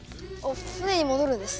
船に戻るんです。